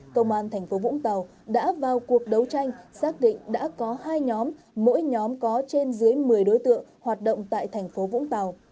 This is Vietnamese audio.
công an thành phố vũng tàu đã vào cuộc đấu tranh xác định đã có hai nhóm mỗi nhóm có trên dưới một mươi đối tượng hoạt động tại thành phố vũng tàu